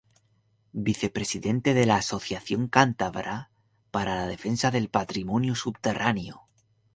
Vicepresidente de la "Asociación Cántabra para la Defensa del Patrimonio Subterráneo".